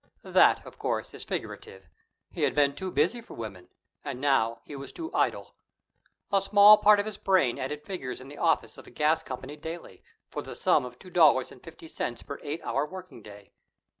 That, of course, is figurative. He had been too busy for women; and now he was too idle. A small part of his brain added figures in the office of a gas company daily, for the sum of two dollars and fifty cents per eight hour working day.